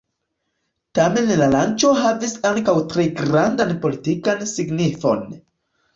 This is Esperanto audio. Tamen la lanĉo havis ankaŭ tre grandan politikan signifon.